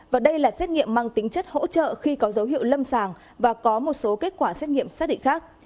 và đây là xét nghiệm mang tính chất hỗ trợ khi có dấu hiệu lâm sàng và có một số kết quả xét nghiệm xác định khác